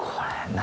何？